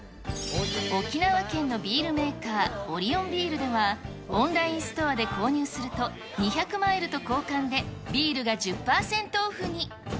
沖縄県のビールメーカー、オリオンビールでは、オンラインストアで購入すると、２００マイルと交換でビールが１０％オフに。